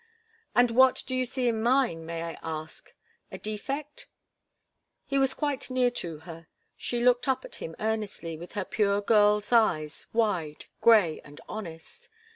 "And what do you see in mine, may I ask? A defect?" He was quite near to her. She looked up at him earnestly with her pure girl's eyes, wide, grey and honest.